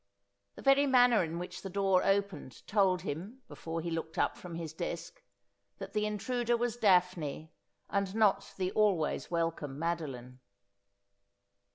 The very manner in which the door opened told him, before he looked up from his desk, that the intruder was Daphne, and not the always welcome Madoline.